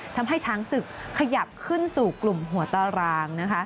ทำให้ช้างศึกขยับขึ้นสู่กลุ่มหัวตาราง